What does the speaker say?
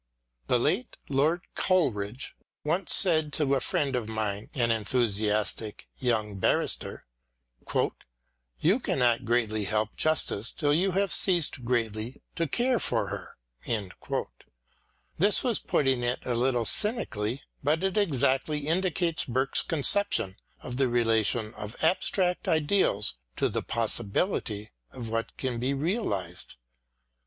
The late Lord Coleridge once said to * Boswell's " Tour to the Hebrides." 6o EDMUND BURKE a friend of mine, an enthusiastic young barrister, " You cannot greatly help justice ,till you have ceased greatly to care for her." This was putting it a little cynically, but it exactly indicates Burke's conception of the relation of abstract ideals to the possibility of what can be realised.